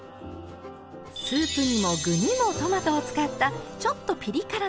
スープにも具にもトマトを使ったちょっとピリ辛のラーメン。